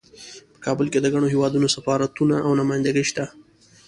په کابل کې د ګڼو هیوادونو سفارتونه او نمایندګۍ شته